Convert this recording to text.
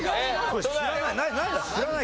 知らない。